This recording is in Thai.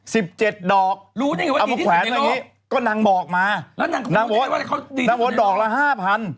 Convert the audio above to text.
สิบเจ็ดดอกรู้ได้ไงว่าดีที่สุดในโลกก็นางบอกมานางบอกนางบอกว่าดอกละห้าพัน